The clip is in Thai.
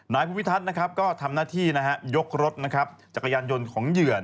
นายผู้วิทัศน์ก็ทำหน้าที่ยกรถจักรยานยนต์ของเหยื่อ